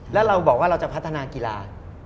แล้วเราบอกว่าเราจะพัฒนากีฬา